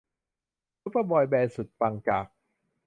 ซูเปอร์บอยแบนด์สุดปังจาก